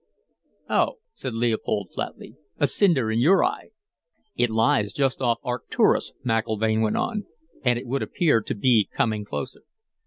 "Oh," said Leopold flatly. "A cinder in your eye." "It lies just off Arcturus," McIlvaine went on, "and it would appear to be coming closer."